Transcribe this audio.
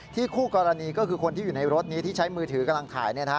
คู่กรณีก็คือคนที่อยู่ในรถนี้ที่ใช้มือถือกำลังถ่าย